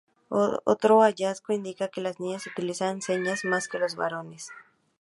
Otro hallazgo indica que las niñas utilizan señas más que los varones.